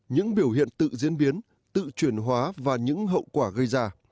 những biểu hiện tự diễn biến tự chuyển hóa và những hậu quả gây ra